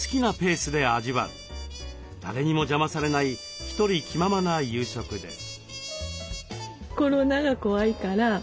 誰にも邪魔されないひとり気ままな夕食です。